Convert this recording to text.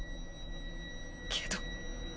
けど。